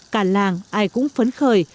cả làng ai cũng phấn khởi